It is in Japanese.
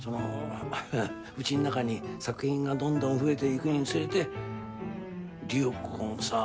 家の中に作品がどんどん増えていくにつれて理代子もさ